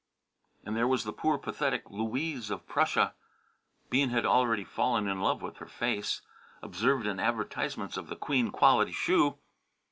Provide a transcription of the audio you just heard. And there was the poor pathetic Louise of Prussia. Bean had already fallen in love with her face, observed in advertisements of the Queen Quality Shoe.